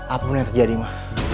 apapun yang terjadi ma